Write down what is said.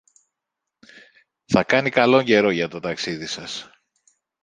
Θα κάνει καλόν καιρό για το ταξίδι σας.